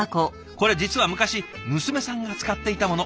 これ実は昔娘さんが使っていたもの。